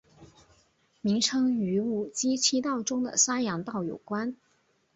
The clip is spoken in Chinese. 名称与五畿七道中的山阳道有关。